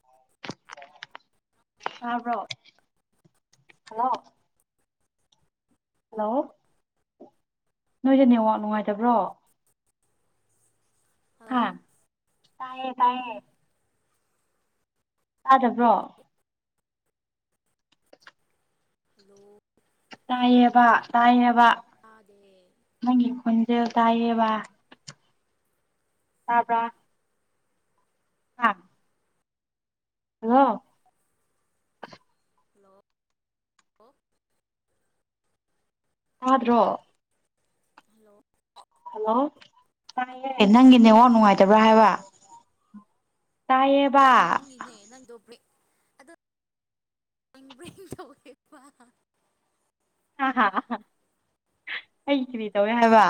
[unintelligible] ꯇꯥꯕ꯭ꯔꯣ hello hello ꯅꯣꯏꯁꯦ network ꯅꯨꯡꯉꯥꯏꯇꯕ꯭ꯔꯣ ꯍꯥ ꯍꯜꯂꯣ ꯇꯥꯏꯌꯦ ꯇꯥꯏꯌꯦ ꯇꯥꯗꯕ꯭ꯔꯣ ꯍꯂꯣ ꯇꯥꯏꯌꯦꯕ ꯇꯥꯏꯌꯦꯕ ꯇꯥꯗꯦ ꯅꯪꯒꯤ ꯈꯣꯟꯖꯦꯜ ꯇꯥꯏꯌꯦꯕ ꯇꯥꯕ꯭ꯔ [unintelligible] ꯍꯜꯂꯣ ꯍꯜꯂꯣ ꯇꯥꯗ꯭ꯔꯣ ꯍꯜꯂꯣ ꯍꯜꯂꯣ ꯇꯥꯏꯑꯦ ꯅꯪꯒꯤ ꯅꯦꯠꯋꯥꯥꯛ ꯅꯨꯡꯉꯥꯏꯇꯕ꯭ꯔꯥ ꯍꯜꯂꯣ ꯍꯥꯏꯕ ꯇꯥꯏꯌꯦꯕ ꯅꯪꯒꯤꯅꯦ ꯅꯪꯗꯣ ꯕ꯭ꯔꯦꯛ ꯑꯗꯣ ꯕ꯭ꯔꯦꯡ [unintelligible] ꯍꯥ ꯍꯥꯥ ꯑꯩ ꯀꯔꯤ ꯇꯧꯋꯦ ꯍꯥꯏꯕ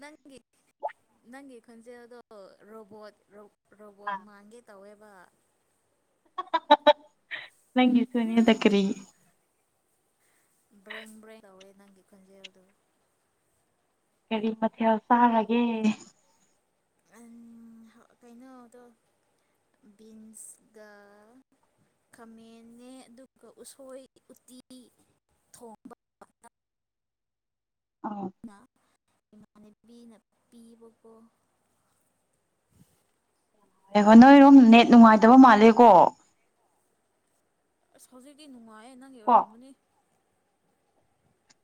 ꯅꯪꯒꯤ ꯅꯪꯒꯤ ꯈꯣꯟꯖꯦꯜꯗꯣ ꯔꯣꯕꯣꯠ ꯔꯣꯕꯣꯠ ꯑꯥ ꯃꯟꯒꯦ ꯇꯧꯋꯦꯕ ꯅꯪꯒꯤꯁꯨꯅꯦꯗ ꯀꯔꯤ [unintelligible] ꯕ꯭ꯔꯦꯡ ꯕ꯭ꯔꯦꯡ ꯇꯧꯋꯦ ꯅꯪꯒꯤ ꯈꯣꯟꯖꯦꯜꯗꯣ ꯀꯔꯤ ꯃꯊꯦꯜ ꯆꯥꯔꯒꯦ? ꯑꯦꯟ ꯍꯥ ꯀꯩꯅꯣꯗꯣ ꯕꯤꯟꯁꯒ ꯈꯥꯃꯦꯟꯅꯦ ꯑꯗꯨꯒ ꯎꯁꯣꯏ ꯎꯇꯤ ꯊꯣꯡꯕ ꯑꯧ ꯅꯥ ꯏꯃꯥꯟꯅꯕꯤꯅ ꯄꯤꯕꯀꯣ ꯉꯥꯏꯍꯣ ꯅꯣꯏꯔꯣꯝ ꯅꯦꯠ ꯅꯨꯡꯉꯥꯏꯇꯕ ꯃꯥꯜꯂꯦ ꯀꯣ? ꯑꯁ ꯍꯧꯖꯤꯛꯇꯤ ꯅꯨꯡꯉꯥꯏꯌꯦ ꯅꯪꯒꯤ ꯀꯣ ꯑꯣꯏꯔꯝꯒꯅꯤ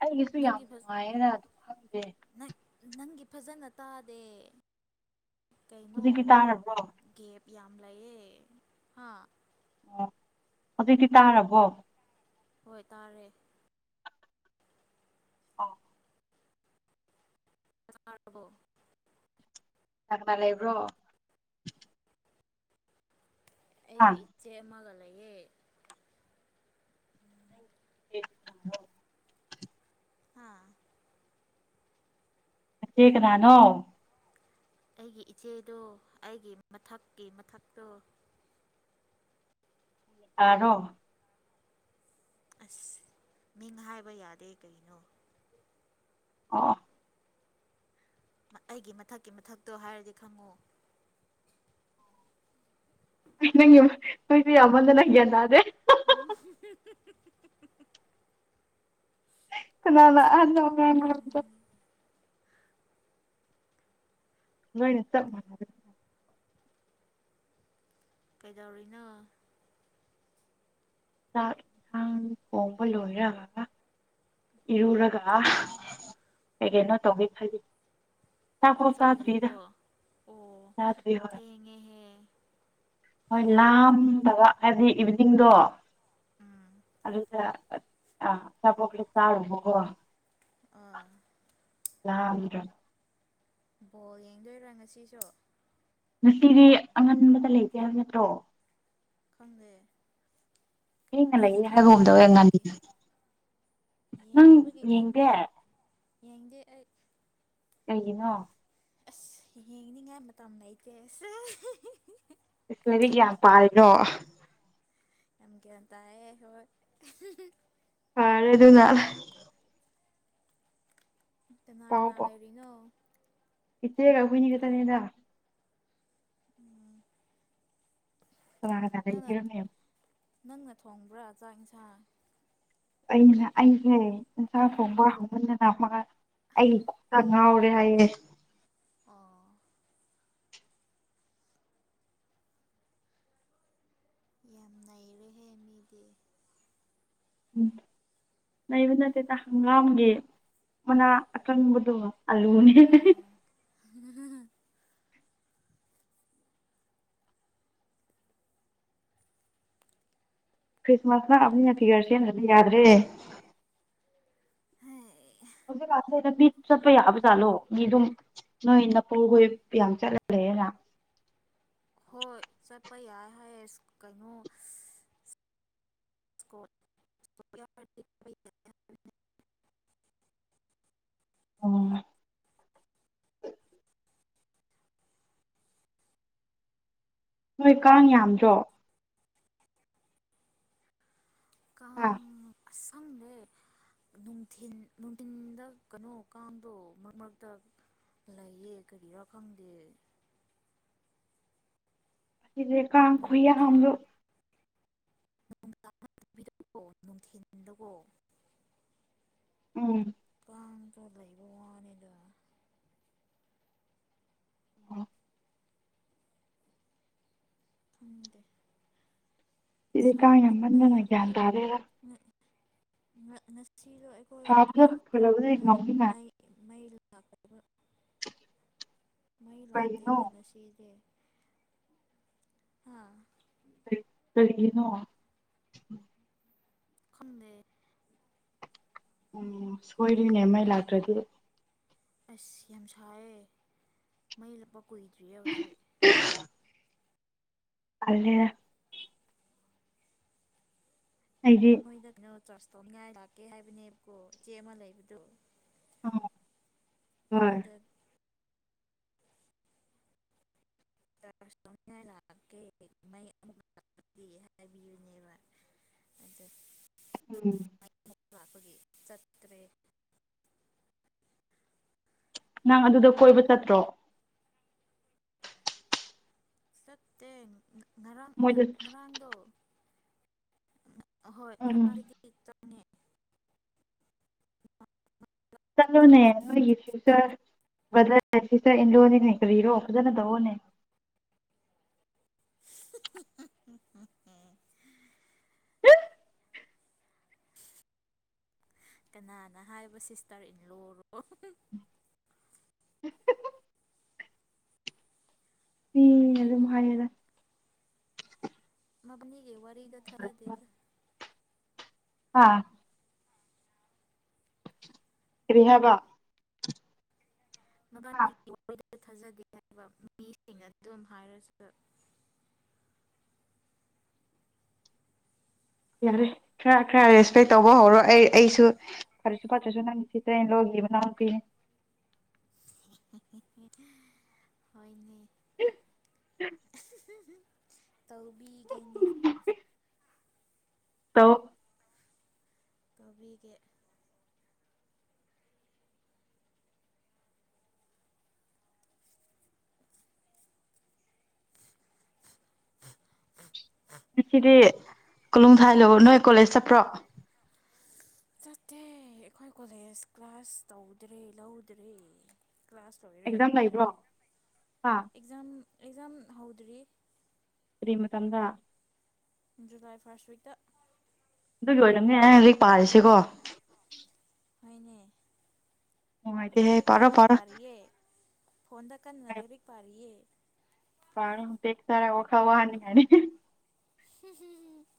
ꯑꯩꯒꯤꯁꯨ ꯌꯥꯝ ꯅꯪꯒꯤ ꯐꯖ ꯅꯨꯡꯉꯥꯏꯌꯦꯅ ꯑꯗꯨ ꯈꯪꯗꯦ ꯅꯪ ꯅꯪꯒꯤ ꯐꯖꯅ ꯇꯥꯗꯦ ꯀꯩꯅꯣ? ꯍꯧꯖꯤꯛꯇꯤ ꯇꯥꯔꯕ꯭ꯔꯣ ꯒꯦꯞ ꯌꯥꯝ ꯂꯩꯌꯦ ꯍꯥ ꯑꯣ ꯍꯧꯖꯤꯛꯇꯤ ꯇꯥꯔꯕꯣ? ꯍꯣꯏ ꯇꯥꯔꯦ꯫ ꯑꯣ ꯆꯥꯛꯔꯕꯣ? ꯀꯅꯥ ꯀꯅꯥ ꯂꯩꯕ꯭ꯔꯣ? ꯑꯥ ꯑꯩꯒꯤ ꯏꯆꯦ ꯑꯃꯒ ꯂꯩꯌꯦ꯫ [unintelligible] ꯍꯥꯥ ꯅꯆꯦ ꯀꯅꯥꯅꯣ? ꯑꯩꯒꯤ ꯏꯆꯦꯗꯣ ꯑꯩꯒꯤ ꯃꯊꯛꯀꯤ ꯃꯊꯛꯇꯣ꯫ ꯂꯩꯁꯔꯣ? ꯑꯁ ꯃꯤꯡ ꯍꯥꯏꯕ ꯌꯥꯗꯦ ꯀꯩꯅꯣ ꯑꯣ ꯑꯣ꯫ ꯃꯥ ꯑꯩꯒꯤ ꯃꯊꯛꯀꯤ ꯃꯊꯛꯇꯣ ꯍꯥꯏꯔꯗꯤ ꯈꯪꯉꯣ꯫ [unintelligible] ꯅꯪꯒꯤ ꯌꯨꯝ ꯅꯣꯢꯁꯦ ꯌꯥꯝꯃꯟꯗꯅ ꯒ꯭ꯌꯥꯟ ꯇꯥꯗꯦ꯫ [unintelligible] ꯀꯅꯥꯅ ꯑꯍꯟꯅꯣ ꯑꯉꯥꯡꯅꯣ ꯍꯥꯏꯕꯗꯣ ꯅꯣꯢꯅ ꯆꯞ ꯃꯟꯅꯔꯦ ꯀꯩꯗꯧꯔꯤꯅꯣ? ꯆꯥꯛ ꯑꯦꯟꯁꯥꯡ ꯊꯣꯡꯕ ꯂꯣꯏꯔꯒꯥ ꯏꯔꯨꯔꯒ [unintelligible] ꯀꯩ ꯀꯩꯅꯣ ꯇꯧꯒꯦ ꯈꯜꯂꯤ꯫ ꯆꯥꯛꯐꯥꯎ ꯆꯥꯗ꯭ꯔꯤꯗ ꯆꯥꯗ꯭ꯔꯤꯕꯣ? ꯑꯣ ꯆꯥꯗ꯭ꯔꯤ ꯍꯣꯏ ꯊꯦꯡꯉꯦꯍꯦ ꯍꯣꯏ ꯂꯥꯝꯗꯕ ꯍꯥꯏꯕꯗꯤ ꯏꯚꯤꯅꯤꯡꯗꯣ ꯎꯝ ꯑꯗꯨꯗ ꯑꯠ ꯑꯥ ꯑꯆꯥꯄꯣꯠ ꯈꯔꯥ ꯆꯥꯔꯨꯕꯀꯣ ꯑꯥ ꯂꯥꯝꯗ꯭ꯔꯝ ꯕꯣꯜ ꯌꯦꯡꯗꯣꯏꯔꯥ ꯉꯁꯤꯁꯨ? ꯉꯁꯤꯗꯤ ꯑꯉꯟꯕꯗ ꯂꯩꯇꯦ ꯍꯥꯏꯕ ꯅꯠꯇ꯭ꯔꯣ? ꯈꯪꯗꯦ ꯊꯦꯡꯅ ꯑꯩꯗꯤ ꯂꯩꯌꯦ ꯈꯪꯗꯦ ꯍꯥꯏꯕꯒꯨꯝ ꯇꯧꯋꯦ ꯉꯟ ꯌꯦꯡꯗꯕꯒꯤ꯫ ꯅꯪ ꯌꯦꯡꯗꯕꯒꯤ ꯌꯦꯡꯗꯦ ꯈꯪꯗꯦ ꯌꯦꯡꯗꯦ ꯑꯩ꯫ ꯀꯩꯒꯤꯅꯣ? ꯁꯤ ꯌꯦꯡꯅꯤꯡꯉꯥꯏ ꯃꯇꯝ ꯂꯩꯇꯦ ꯁꯦ [unintelligible] ꯏꯁ ꯂꯥꯢꯔꯤꯛ ꯌꯥꯝ ꯄꯥꯔꯤꯔꯣ? ꯌꯥꯝ ꯒ꯭ꯌꯥꯟ ꯇꯥꯏꯌꯦ ꯍꯣꯏ [unintelligible] ꯐꯥꯔꯦ ꯑꯗꯨꯅ꯫ [unintelligible] ꯀꯅꯥ ꯀꯅꯥ ꯂꯩꯔꯤꯅꯣ? ꯏꯠꯆꯦꯒ ꯑꯈꯣꯢꯅꯤ ꯈꯛꯇꯅꯦꯗ꯫ ꯎꯝ꯫ [unintelligible] ꯅꯪꯅ ꯊꯣꯡꯕ꯭ꯔꯥ ꯆꯥꯛ ꯏꯟꯁꯥꯡ꯫ ꯑꯩꯅ ꯑꯩꯁꯦ ꯏꯟꯁꯥꯡ ꯊꯣꯡꯕ ꯍꯥꯎꯃꯟꯗꯅ ꯃꯥ ꯑꯩ ꯀꯣꯛꯇ ꯉꯥꯎꯔꯦ ꯍꯥꯏꯌꯦ꯫ ꯑꯥ꯫ ꯌꯥꯝ ꯅꯩꯔꯦꯍꯦ ꯃꯤꯗꯤ꯫ ꯎꯝ꯫ ꯂꯩꯕ ꯅꯠꯇꯦꯗ ꯍꯪꯒꯥꯝꯒꯤ ꯃꯅꯥ ꯑꯀꯪꯕꯗꯨ ꯑꯂꯨꯅꯦ ꯍꯦ ꯍꯦ ꯍꯦ꯫ ꯑꯥ [unintelligible] ꯈ꯭ꯔꯤꯁꯃꯥꯁ ꯅꯛꯑꯕꯅꯤꯅ ꯐꯤꯒꯔ ꯁꯦꯝꯗ꯭ꯔꯗꯤ ꯌꯥꯗ꯭ꯔꯦ꯫ ꯍꯧꯖꯤꯛꯀꯥꯁꯤ ꯗ ꯃꯤ ꯆꯠꯄ ꯌꯥꯕ ꯖꯥꯠꯂꯣ ꯃꯤ ꯗꯨꯝ ꯅꯣꯏ ꯅꯄꯨ ꯍꯣꯏ ꯌꯥꯝ ꯆꯠꯂ ꯂꯩꯌꯦꯅ꯫ ꯍꯣꯏ ꯆꯠꯄ ꯌꯥꯏ ꯍꯥꯏꯌꯦ ꯑꯁ ꯀꯩꯅꯣ ꯏꯁ [unintelligible] ꯑꯣ꯫ ꯅꯣꯏ ꯀꯥꯡ ꯌꯥꯝꯗ꯭ꯔꯣ꯫ ꯑꯥ꯫ ꯎꯝ ꯑꯁ ꯈꯪꯗꯦ꯫ ꯅꯨꯡꯊꯤꯟ ꯅꯨꯡꯊꯤꯟꯗ ꯀꯩꯅꯣ ꯀꯥꯡꯗꯣ ꯃꯔꯛ ꯃꯔꯛꯇ ꯂꯩꯌꯦ ꯀꯔꯤꯔꯥ ꯈꯪꯗꯦ꯫ ꯖꯦ ꯀꯥꯡ ꯈꯨꯌꯥꯝ ꯅꯨꯡꯗꯥꯡ ꯗꯨ꯫ [unintelligible] ꯅꯨꯡꯊꯤꯟꯗꯀꯣ ꯎꯝ꯫ ꯀꯥꯡ ꯗꯣ ꯂꯩꯕ ꯋꯥꯅꯦꯗ꯫ ꯈꯪꯗꯦ ꯁꯤꯗꯤ ꯀꯥꯡ ꯁꯥꯃꯟꯕꯒꯤ ꯌꯥꯝꯃꯟꯗꯅ ꯒ꯭ꯌꯥꯟ ꯇꯥꯗꯦꯗ [unintelligible] ꯉ ꯉꯁꯤꯗꯣ ꯑꯩꯈꯣꯏ ꯁꯥꯕꯗ ꯑꯩꯈꯣꯏꯒꯤ ꯐꯖꯕꯗꯤ ꯔꯨꯝꯗ ꯉꯝꯃꯤꯅ ꯅ ꯩ ꯃꯩ ꯂꯥꯛꯇꯕ ꯃꯩ ꯂꯥꯛꯇꯦ ꯀꯩꯒꯤꯅꯣ ꯕ ꯅꯁꯤꯗꯦ ꯍꯥꯥ ꯑꯦ ꯀꯩꯒꯤꯅꯣ ꯈꯪꯗꯦ ꯎꯝ ꯁꯣꯏꯔꯦꯅꯦ ꯃꯩ ꯂꯥꯛꯇ꯭ꯔꯗꯤ ꯑꯁ ꯌꯥꯝ ꯁꯥꯏꯌꯦ ꯃꯩ ꯂꯥꯞꯄ ꯀꯨꯏꯗ꯭ꯔꯤꯌꯦ ꯍꯧꯖꯤꯛ [unintelligible] ꯑꯜꯂꯦꯗ ꯑꯩꯒꯤ ꯃꯣꯏꯗ ꯀꯩꯅꯣ ꯆꯔꯁ ꯇꯧꯅꯤꯉꯥꯏ ꯂꯥꯛꯀꯦ ꯍꯥꯏꯕꯅꯦꯕꯀꯣ ꯏꯆꯦ ꯑꯃ ꯂꯩꯕꯗꯣ ꯎꯝ ꯍꯣꯏ ꯑꯗꯨꯗꯠ ꯆꯔꯁ ꯇꯩꯅꯤꯉꯥꯏ ꯂꯥꯛꯀꯦ ꯃꯩ ꯑꯃꯨꯛ ꯂꯥꯛꯇꯦ ꯍꯥꯏꯕꯤꯕꯅꯦꯕ [unintelligible] ꯑꯗꯠ ꯎꯝ ꯃꯨꯛ ꯂꯥꯛꯄꯒꯤ ꯆꯠꯇ꯭ꯔꯦ ꯅꯪ ꯑꯗꯨꯗ ꯀꯣꯏꯕ ꯆꯠꯇ꯭ꯔꯣ ꯆꯠꯇꯦ ꯉꯔꯥꯡ ꯃꯣꯏꯗ ꯉꯔꯥꯡꯗꯣ ꯑꯍꯣꯏ ꯎꯝ ꯉꯔꯥꯡꯗꯨꯗꯤ ꯆꯠꯄꯅꯦ [unintelligible] ꯆꯠꯂꯣꯅꯦ ꯅꯣꯏꯒꯤ ꯐꯌꯨꯆꯔ ꯕꯗꯔ ꯁꯤꯁꯇꯔ ꯏꯟꯂꯣꯅꯤꯅꯦ ꯀꯔꯤꯔꯣ ꯐꯖꯅ ꯇꯧꯑꯣꯅꯦ [unintelligible] ꯀꯅꯥꯅ ꯍꯥꯏꯕ ꯁꯤꯁꯇꯔ ꯏꯟ ꯂꯣꯔꯣ ꯃꯤꯅ ꯗꯨꯝ ꯍꯥꯏꯌꯦꯗ ꯃꯕꯟꯅꯤꯒꯤ ꯋꯥꯔꯤꯗꯣ ꯊꯖꯥꯗꯦꯗ ꯍꯥ ꯀꯔꯤ ꯍꯥꯏꯕ ꯃꯕꯥꯟꯅꯤꯒꯤ ꯋꯥꯔꯤꯗꯣ ꯊꯥꯖꯗꯦ ꯍꯥꯏꯕ ꯃꯤꯁꯤꯡꯅ ꯑꯗꯨꯝ ꯍꯥꯏꯔꯁꯨ ꯌꯥꯔꯦ ꯈꯔ ꯈꯔ ꯔꯦꯁꯄꯦꯛ ꯇꯧꯕ ꯍꯧꯔꯣ ꯑꯩ ꯑꯩꯁꯨ ꯐꯔꯁꯨ ꯐꯠꯇꯔꯁꯨ ꯅꯪꯗꯤ [unintelligible] ꯂꯣꯝꯒꯤ ꯃꯅꯥꯎꯅꯨꯄꯤꯅꯤ ꯍꯣꯏꯅꯦ ꯇꯧꯕꯤꯒꯦꯅꯦ ꯇꯧ ꯇꯧꯕꯤꯒꯦ [inaudible] ꯉꯁꯤꯗꯤ ꯀꯣꯂꯨꯡꯊꯥꯏꯂꯨ ꯅꯣꯏ ꯀꯣꯂꯦꯖ ꯆꯠꯄ꯭ꯔꯣ ꯆꯠꯇꯦ ꯑꯩꯈꯣꯏ ꯀꯣꯂꯦꯖ ꯀ꯭ꯂꯥꯁ ꯇꯧꯗ꯭ꯔꯦ ꯂꯧꯗ꯭ꯔꯦ ꯀ꯭ꯂꯥꯁ ꯂꯣꯏꯔꯦ ꯑꯦꯛꯖꯥꯝ ꯈꯣꯏ ꯂꯩꯕ꯭ꯔꯣ ꯍꯥ ꯑꯦꯛꯖꯥꯝ ꯑꯦꯛꯖꯥꯝ ꯍꯧꯗ꯭ꯔꯤ ꯀꯔꯤ ꯃꯇꯝꯗ ꯖꯨꯂꯥꯏ ꯐꯥꯔꯁ ꯋꯤꯛꯇ ꯑꯗꯨꯒꯤ ꯑꯣꯏꯔꯝꯅꯦ [unintelligible] ꯄꯥꯔꯤꯁꯤꯀꯣ ꯍꯣꯏꯅꯦ ꯅꯨꯡꯉꯥꯏꯇꯦꯍꯦ ꯂꯥꯏꯔꯤꯛ ꯄꯥꯔꯣ ꯀꯟꯅ ꯄꯥꯔꯣ ꯄꯥꯔꯤꯌꯦ ꯐꯣꯟꯗ ꯀꯟꯅ ꯂꯥꯏꯔꯤꯛ ꯄꯥꯔꯤꯌꯦ ꯄꯥꯔꯣ ꯕꯦꯛ ꯆꯔꯥ ꯋꯥꯈꯜ ꯋꯥꯅꯤ ꯍꯥꯏꯔꯗꯤ [unintelligible]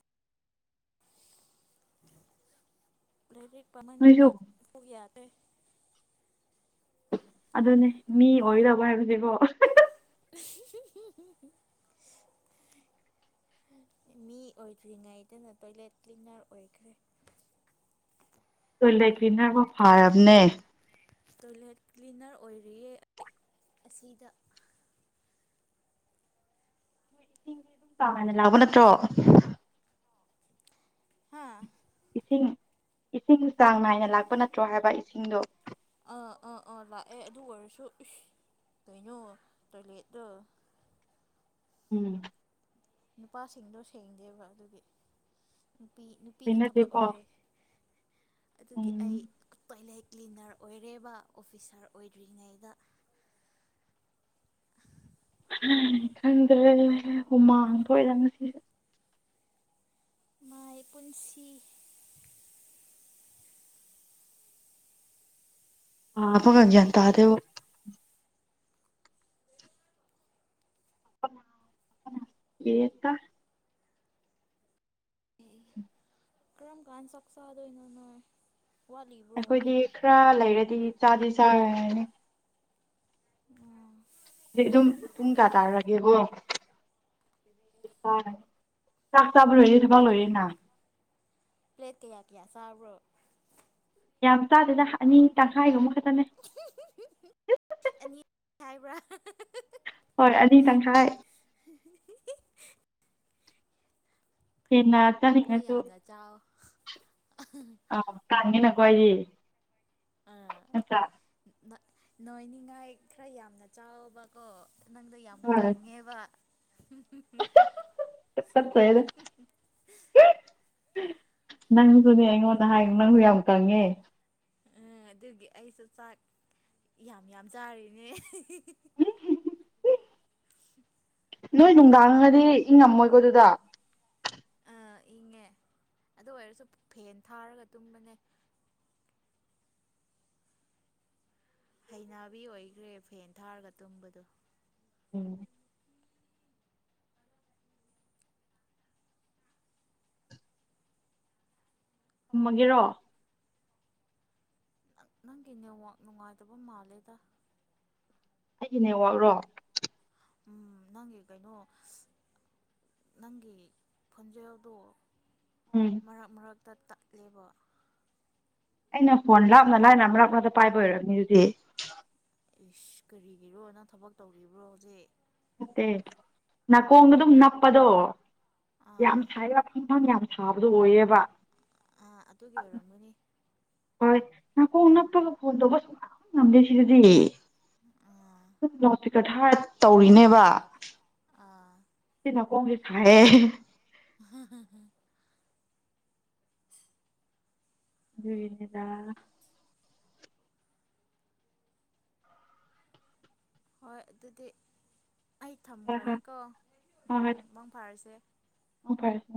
ꯂꯥꯏꯔꯤꯛ ꯅꯣꯏꯁꯨ ꯄꯥꯃꯟꯅ ꯀꯣꯛ ꯌꯥꯗꯔꯦ ꯑꯗꯨꯅꯦ ꯃꯤ ꯑꯣꯏꯗꯧꯕ ꯍꯥꯏꯕꯁꯦꯀꯣ [unintelligible] ꯃꯤ ꯑꯣꯏꯗ꯭ꯔꯤꯉꯩꯗꯅ ꯇꯣꯏꯂꯦꯠ ꯀ꯭ꯂꯤꯟꯅꯔ ꯑꯣꯏꯈ꯭ꯔꯦ ꯇꯣꯏꯂꯦꯠ ꯀ꯭ꯂꯤꯅꯐꯥꯎ ꯐꯔꯕꯅꯦ ꯇꯣꯏꯂꯦꯠ ꯀ꯭ꯂꯤꯅꯔ ꯑꯣꯏꯔꯤꯌꯦ ꯑꯩ ꯑꯁꯤꯗ ꯏꯁꯤꯡꯗꯤ ꯑꯗꯨꯝ ꯆꯥꯡ ꯅꯥꯏꯅ ꯂꯥꯛꯄ ꯅꯠꯇ꯭ꯔꯣ ꯍꯥꯥ ꯏꯁꯤꯡ ꯏꯁꯤꯡ ꯆꯥꯡ ꯅꯥꯏꯅ ꯂꯥꯛꯄ ꯅꯠꯇ꯭ꯔꯣ ꯍꯥꯏꯕ ꯏꯁꯤꯡꯗꯣ ꯑꯥ ꯑꯥ ꯑꯥ ꯂꯥꯛꯑꯦ ꯑꯗꯨ ꯑꯣꯏꯔꯁꯨ ꯏꯁ ꯀꯩꯅꯣ ꯇꯣꯏꯂꯦꯠꯇ ꯎꯝ꯫ ꯅꯨꯄꯥꯁꯤꯡꯗꯣ ꯁꯦꯡꯗꯦꯕ ꯑꯗꯨꯒꯤ ꯅꯨꯄꯤ ꯅꯨꯄꯤꯒꯤ ꯊꯕꯛ ꯍꯩꯅꯗꯦꯀꯣ ꯑꯣꯏꯔꯦ ꯑꯗꯨꯒꯤ ꯎꯝ ꯑꯩ ꯇꯣꯏꯂꯦꯠ ꯀ꯭ꯂꯤꯟꯅꯔ ꯑꯣꯏꯔꯦꯕ ꯑꯣꯐꯤꯁꯥꯔ ꯑꯣꯏꯗ꯭ꯔꯤꯉꯩꯗ ꯈꯪꯗꯔꯦ ꯍꯨꯃꯥꯡ ꯊꯥꯛꯑꯦꯗ ꯉꯁꯤ ꯃꯥꯏ ꯄꯨꯟꯁꯤ ꯑꯥ [unintelligible] ꯒ꯭ꯌꯥꯟ ꯇꯥꯗꯦꯕꯨ [unintelligible] ꯒꯦꯇ ꯀꯔꯝ ꯀꯥꯟ ꯆꯥꯛ ꯆꯥꯗꯨꯏꯅꫭ ꯅꯣꯏ ꯋꯥꯠꯂꯤꯕ꯭ꯔꯣ ꯑꯩꯈꯣꯏꯗꯤ ꯈꯔ ꯂꯩꯔꯗꯤ ꯆꯥꯗꯤ ꯆꯥꯔꯅꯤ ꯎꯝ ꯑꫭ ꯍꯧꯖꯤꯛ ꯑꯗꯨꯝ ꯄꯨꯡ ꯀꯌꯥ ꯇꯥꯔꯒꯦꯀꯣ ꯅꯤꯄꯥꯟ ꯆꯥꯛ ꯆꯥꯕ ꯂꯣꯏꯔꯗꯤ ꯊꯕꯛ ꯂꯣꯏꯔꯦꯅꯥ ꯄ꯭ꯂꯦꯠ ꯀꯌꯥ ꯀꯌꯥ ꯆꯥꯕ꯭ꯔꯣ ꯌꯥꯝ ꯆꯥꯗꯦꯅ ꯑꯅꯤ ꯇꯪꯈꯥꯏꯒꯨꯝꯕ ꯈꯛꯇꯅꯦ ꯑꯅꯤ ꯍꯥꯏꯕ꯭ꯔꯥ ꯍꯣꯏ ꯑꯅꯤ ꯇꯪꯈꯥꯏ [unintelligible] ꯍꯦꯟꯅ ꯈꯔ ꯆꯥꯅꯤꯡꯉꯁꯨ ꯌꯥꯝꯅ ꯆꯥꯎ ꯑ‌ꯧ ꯀꯥꯟꯒꯦ ꯅꯀꯣꯏꯗꯤ ꯑꯥ ꯅꯥ ꯅꯣꯏꯅꯤꯉꯥꯏ ꯈꯔ ꯌꯥꯝꯅ ꯆꯥꯎꯋ‌ꯣꯕꯀꯣ ꯅꯪꯗ‌ꯣ ꯌꯥꯝ ꯍꯣꯏ ꯀꯪꯉꯦꯕ ꯅꯪꯖꯨꯅꯦ ꯑꯩꯉꯣꯟꯗ ꯍꯥꯏ ꯅꯪꯖꯨ ꯌꯥꯝ ꯀꯪꯉꯦ ꯎꯝ ꯑꯗꯨꯒꯤ ꯑꯩꯁꯨ ꯆꯥꯛ ꯌꯥꯝ ꯌꯥꯝ ꯆꯥꯔꯤꯅꯦ ꯅꯣꯏ ꯅꯨꯡꯗꯥꯡꯒꯗꯤ ꯏꯪꯉꯝꯃꯣꯏꯀꯣ ꯑꯗꯨꯗꯥ ꯑꯥ ꯏꯪꯉꯦ ꯑꯗꯨ ꯑꯣꯏꯔꯁꯨ ꯐꯦꯟ ꯊꯥꯔꯒ ꯇꯨꯝꯕꯅꯦ ꯍꯩꯅꯕꯤ ꯑꯣꯏꯒ꯭ꯔꯦ ꯐꯦꯟ ꯊꯥꯔꯒ ꯇꯨꯝꯕꯗꯣ ꯎꯝ ꯊꯝꯃꯒꯦꯔꯣ ꯅꯪ ꯅꯪꯒꯤ ꯅꯦꯠꯋꯥꯛ ꯅꯨꯡꯉꯥꯏꯇꯕ ꯃꯥꯜꯂꯦꯗꯥ ꯑꯩꯒꯤ ꯅꯦ ꯋꯥꯛ ꯔꯣ ꯎꯝ ꯅꯪꯒꯤ ꯀꯩꯅꯣ ꯅꯪꯒꯤ ꯐꯣꯟꯖꯦꯜꯗꯣ ꯎꯝ ꯃꯔꯛ ꯃꯔꯛꯇ ꯇꯠꯂꯦꯕ ꯑꯩꯅ ꯐꯣꯟ ꯂꯥꯞꯅ ꯂꯥꯏꯅ ꯃꯔꯛ ꯃꯔꯛ ꯇ ꯄꯥꯏꯕ ꯑꯣꯏꯔꯝꯅꯤ ꯑꯗꯨꯗꯤ ꯏꯁ ꯀꯔꯤꯒꯤꯔꯣ ꯅꯪ ꯊꯕꯛ ꯇꯧꯔꯤꯕ꯭ꯔꯣ ꯍꯧꯖꯤꯛ ꯅꯠꯇꯦ ꯅꯥꯀꯣꯡꯗ ꯑꯗꯨꯝ ꯅꯞꯄꯗꯣ ꯌꯥꯝ ꯑꯥ ꯁꯥꯏꯕ ꯏꯪꯊꯝ ꯌꯥꯝ ꯁꯥꯕꯗꯣ ꯑꯣꯏꯌꯦꯕ ꯑ ꯑꯗꯨꯒꯤ ꯑꯣꯏꯔꯝꯃꯅꯤ ꯍꯣꯏ ꯅꯥꯀꯣꯡ ꯅꯞꯄꯒ ꯐꯣꯟ ꯇꯧꯕ ꯁꯨꯉꯝ ꯉꯝꯗꯦ ꯁꯤꯗꯗꯤ ꯑꯥ [unintelligible] ꯂꯥꯎꯗ ꯏꯁ꯭ꯄꯤꯀꯔ ꯊꯥꯔ ꯇꯧꯔꯤꯅꯦꯕ ꯑꯥ ꯁꯤꯅ ꯀꯣꯡꯖꯦ ꯁꯥꯏꯌꯦ [unintelligible] ꯑꯗꯨꯒꯤ ꯅꯤꯗꯥ ꯍꯣꯏ ꯑꯗꯨꯗꯤ ꯑꯩ ꯍꯣꯏ ꯍꯣꯏ ꯊꯝꯈ꯭ꯔꯒꯦꯀꯣ ꯍꯣꯏ ꯍꯣꯏ ꯎꯝ ꯐꯔꯁꯦ ꯃꯪ ꯐꯔꯥꯁꯦ ꯃꯪ ꯐꯔꯥꯁꯦ